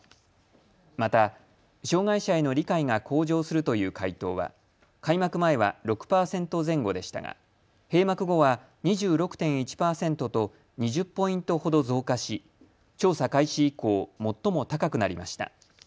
また、障害者への理解が向上するという回答は開幕前は６％前後でしたが閉幕後は２６．１％と２０ポイントほど増加し、調査開始以降、最も高くなりました。